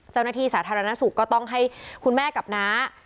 เจ้าหน้าที่สาธารณสุขก็ต้องให้คุณแม่กับน้า